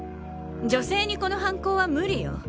女性にこの犯行はムリよ。